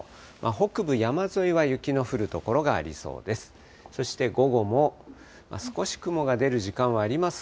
北部、山沿いは雪の降る所がありそうです。